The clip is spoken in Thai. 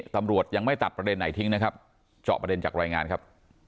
ตำรวจยังไม่ตัดประเด็นไหนทิ้งนะครับเจาะประเด็นจากรายงานครับ